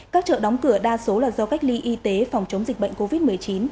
các chợ đóng cửa đa số là do cách ly y tế phòng chống dịch bệnh covid một mươi chín